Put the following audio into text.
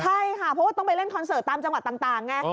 ใช่ค่ะเพราะว่าต้องไปเล่นคอนเสิร์ตตามจังหวัดต่างไง